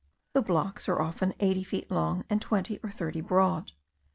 The blocks are often eighty feet long, and twenty or thirty broad.